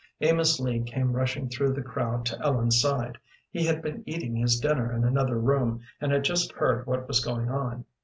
Amos Lee came rushing through the crowd to Ellen's side. He had been eating his dinner in another room, and had just heard what was going on.